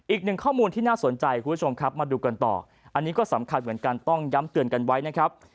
อีกหนึ่งข้อมูลที่น่าสนใจคุณผู้ชมครับมาดูกันต่ออันนี้ก็สำคัญเหมือนกันต้องย้ำเตือนกันไว้นะครับ